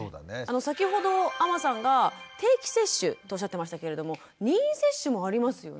先ほど阿真さんが定期接種とおっしゃってましたけれども任意接種もありますよね？